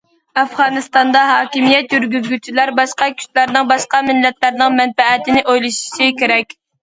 ئافغانىستاندا ھاكىمىيەت يۈرگۈزگۈچىلەر باشقا كۈچلەرنىڭ، باشقا مىللەتلەرنىڭ مەنپەئەتىنى ئويلىشىشى كېرەك.